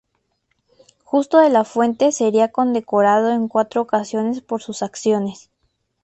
Justo de la Fuente sería condecorado en cuatro ocasiones por sus acciones.